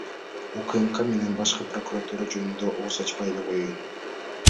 УКМК менен башкы прокуратура жөнүндө ооз ачпай эле коёюн.